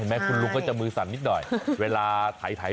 ไหมคุณลุงก็จะมือสั่นนิดหน่อยเวลาถ่าย